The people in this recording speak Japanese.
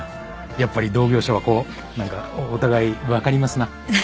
やっぱり同業者はこう何かお互い分かりますな。